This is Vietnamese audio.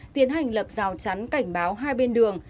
tiến hành lập rào chắn cảnh báo hai bên đường